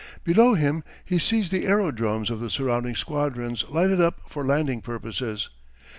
Below him he sees the aerodromes of the surrounding squadrons lighted up for landing purposes.